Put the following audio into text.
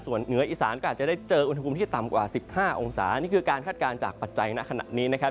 ส่วนเหนืออีสานก็อาจจะได้เจออุณหภูมิที่ต่ำกว่า๑๕องศานี่คือการคาดการณ์จากปัจจัยณขณะนี้นะครับ